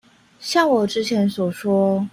像我之前所說